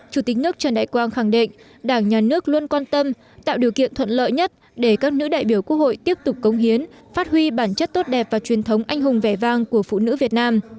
chủ tịch nước trần đại quang khẳng định đảng nhà nước luôn quan tâm tạo điều kiện thuận lợi nhất để các nữ đại biểu quốc hội tiếp tục công hiến phát huy bản chất tốt đẹp và truyền thống anh hùng vẻ vang của phụ nữ việt nam